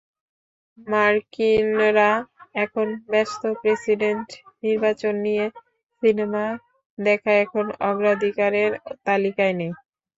মার্কিনরা এখন ব্যস্ত প্রেসিডেন্ট নির্বাচন নিয়ে, সিনেমা দেখা এখন অগ্রাধিকারের তালিকায় নেই।